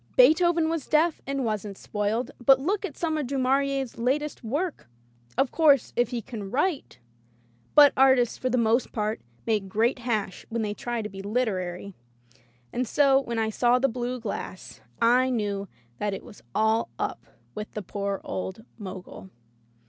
Beethoven was deaf and wasn't spoiled, but look at some of Du Maurier's latest work! Of course if he can write — ^but [.241 ] Digitized by LjOOQ IC Interventions artists for the most part make great hash when they try to be literary. And so, when I saw the blue glass, I knew that it was all up with the poor old Mogul.